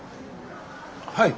はい。